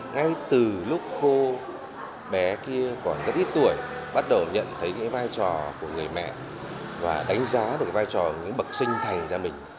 ngay từ lúc cô bé kia còn rất ít tuổi bắt đầu nhận thấy vai trò của người mẹ và đánh giá được vai trò bậc sinh thành gia mình